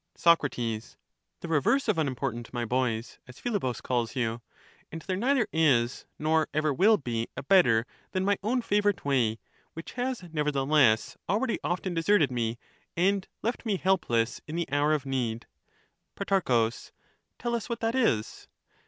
Soc, The reverse of unimportant, my boys, as Philebus Socrates' calls you, and there neither is nor ever will be a better than |^^^i^^. my own favourite way, which has nevertheless already often to proceed deserted me and left me helpless in the hour of need. from unity Pro, Tell us what that is.